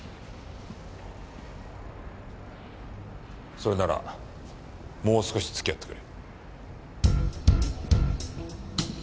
それならもう少し付き合ってくれ。